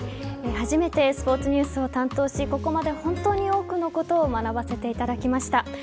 初めてスポースニュースを担当しここまで本当に多くのことを学ばせていただきました。